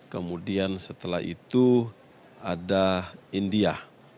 kemudian setelah itu ada india